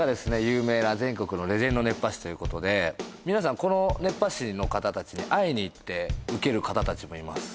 有名な全国のレジェンド熱波師ということで皆さんこの熱波師の方たちに会いに行って受ける方たちもいます